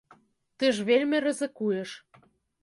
Ты ж вельмі рызыкуеш.